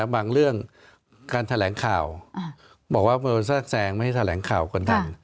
บางเรื่องการแถลงข่าวบอกว่าบริษัทแสงไม่ให้แถลงข่าวกดดัน